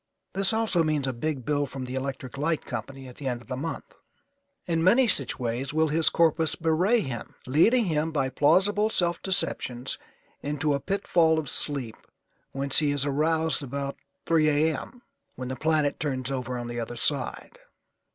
This also means a big bill from the electric light company at the end of the month. In many such ways will his corpus bewray him, leading him by plausible self deceptions into a pitfall of sleep, whence he is aroused about 3 A. M. when the planet turns over on the other side.